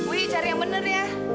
wi cari yang bener ya